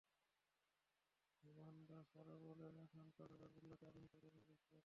ধীমান দাস আরও বলেছেন, এখন তাঁরা রসগোল্লাকে আধুনিক পর্যায়ে নিয়ে গেছেন।